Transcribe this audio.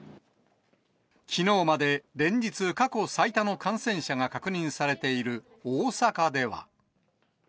きのうまで連日、過去最多の感染者が確認されている大阪では。